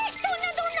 どんな？